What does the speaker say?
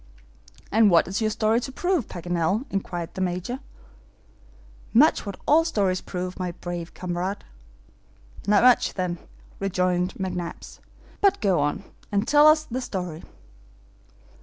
"And what is your story to prove, Paganel?" inquired the Major. "Much what all stories prove, my brave comrade." "Not much then," rejoined McNabbs. "But go on, Scheherazade, and tell us the story."